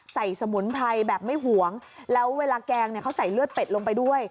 สมุนไพรแบบไม่หวงแล้วเวลาแกงเนี่ยเขาใส่เลือดเป็ดลงไปด้วย